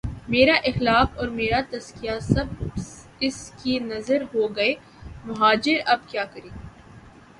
میرا اخلاق اور میرا تزکیہ، سب اس کی نذر ہو گئے مہاجر اب کیا کریں؟